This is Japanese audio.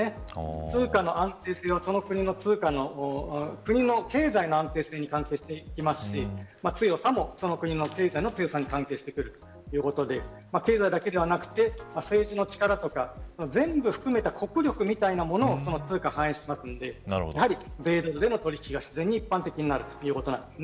通貨の安定性は、その国の経済の安定性に関係してきますし強さも、その国の強さに関係してくるということで経済だけではなく、政治の力とか全部含めた国力みたいなものを通貨に反映しますのでやはり米ドルでの取引が一般的になるということです。